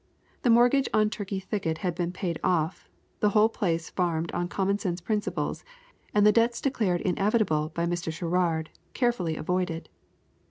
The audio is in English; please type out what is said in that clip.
The mortgage on Turkey Thicket had been paid off, the whole place farmed on common sense principles, and the debts declared inevitable by Mr. Sherrard carefully avoided.